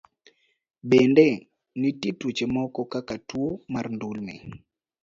Bende, nitie tuoche moko kaka tuo mar ndulme.